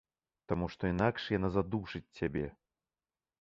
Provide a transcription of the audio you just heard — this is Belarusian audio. Таму што інакш яна задушыць цябе.